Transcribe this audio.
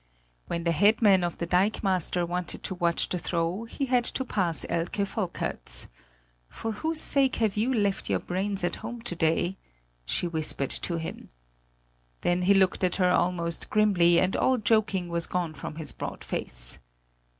When the head man of the dikemaster wanted to watch the throw, he had to pass Elke Volkerts: "For whose sake have you left your brains at home to day?" she whispered to him. Then he looked at her almost grimly, and all joking was gone from his broad face.